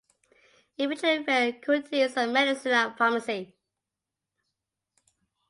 It featured faculties of medicine and pharmacy.